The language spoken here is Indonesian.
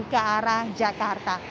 ke arah jakarta